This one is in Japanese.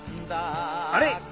あれ？